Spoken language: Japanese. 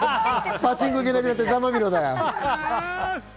パチンコ行けなくなってざまぁみろだよ。